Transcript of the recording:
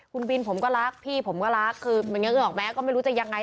คุณบินผมก็รักพี่ผมก็รักคือมันนึกออกไหมก็ไม่รู้จะยังไง